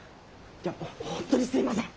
いやもう本当にすみません！